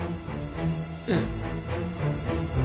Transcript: ええ。